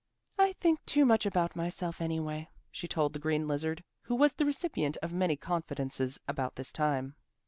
"I think too much about myself, anyway," she told the green lizard, who was the recipient of many confidences about this time.